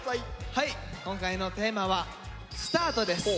はい今回のテーマは「ＳＴＡＲＴ」です。